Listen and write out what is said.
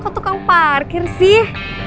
kok tukang parking sih